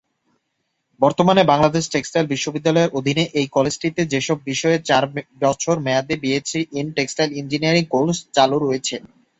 বর্তমানে বাংলাদেশ টেক্সটাইল বিশ্ববিদ্যালয়ের অধীনে এই কলেজটিতে যেসব বিষয়ে চার বছর মেয়াদী BSc in textile engineering course চালু রয়েছেঃ-